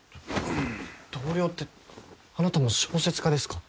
同僚ってあなたも小説家ですか？